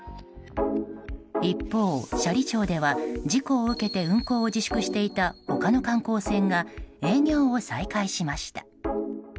一方、斜里町では事故を受けて運航を自粛していた他の観光船が営業を再開しました。